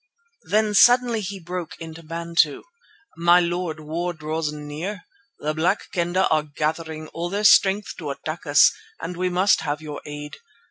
Then suddenly he broke into Bantu. "My Lord, war draws near. The Black Kendah are gathering all their strength to attack us and we must have your aid.